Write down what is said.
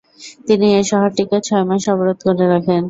তিনি এ শহরটিকে ছয় মাস অবরোধ করে রাখেন।